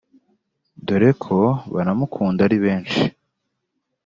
dore ko banamukunda ari benshi